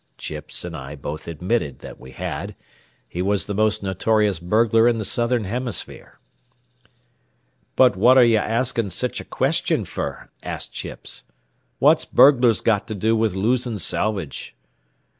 Chips and I both admitted that we had. He was the most notorious burglar in the southern hemisphere. "But what are ye askin' sich a question fer?" asked Chips. "What's burglars got to do wid losin' salvage?"